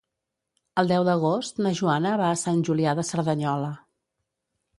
El deu d'agost na Joana va a Sant Julià de Cerdanyola.